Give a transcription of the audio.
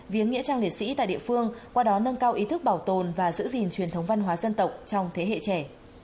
viếng nghĩa trang liệt sĩ tại địa phương qua đó nâng cao ý thức bảo tồn và giữ gìn truyền thống văn hóa dân tộc trong thế hệ trẻ